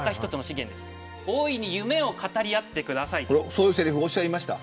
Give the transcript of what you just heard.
そういうセリフおっしゃいました。